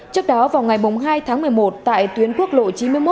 trước đó vào ngày hai tháng một mươi một tại tuyến quốc lộ chín mươi một